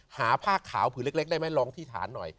หาผ้าขาวผืนเล็กได้ไหมลองที่ฐานหน่อย